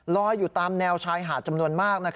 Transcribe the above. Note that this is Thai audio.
ลอยอยู่ตามแนวชายหาดจำนวนมาก